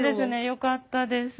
よかったです。